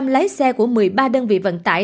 năm trăm linh lái xe của một mươi ba đơn vị vận tải